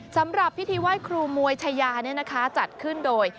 สำหรับพิธีมวยชายาจัดขึ้นโดย